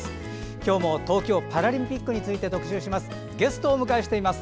今日も東京パラリンピックについて特集します。